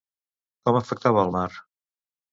Com afectava el mar?